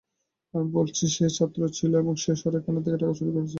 আমি বলছি এটা সেই ছাত্র ছিল, যে সরাইখানা থেকে টাকা চুরি করেছে।